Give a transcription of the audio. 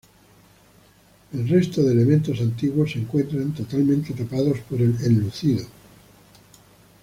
El resto de elementos antiguos se encuentran totalmente tapados por el enlucido.